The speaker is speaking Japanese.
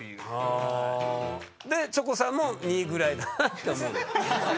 あ。でチョコさんも２ぐらいだなって思うんだ。